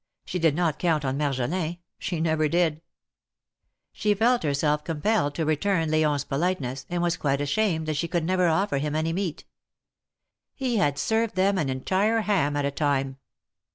She did not count on Marjolin. She never did ! She felt herself compelled to return Lion's politeness, and was quite ashamed that she could never offer him any meat. He had served to them an entire ham at a time.